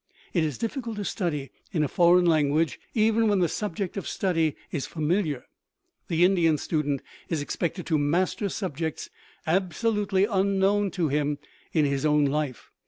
It is difficult to study in a foreign language even when the subject of study is familiar; the Indian student is expected to master subjects absolutely unknown to him in his own life.